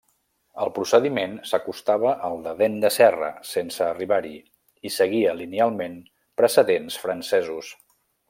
El procediment s’acostava al de dent de serra sense arribar-hi, i seguia linealment precedents francesos.